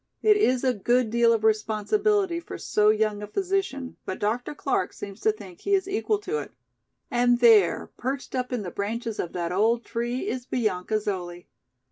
It is a good deal of responsibility for so young a physician, but Dr. Clark seems to think he is equal to it. And there perched up in the branches of that old tree is Bianca Zoli.